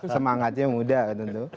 semangatnya muda tentu